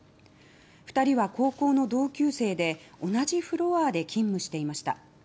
２人は高校の同級生で同じフロアで勤務していました。